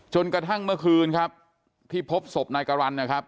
จนกระทั่งเมื่อคืนครับที่พบศพนายกรรณนะครับ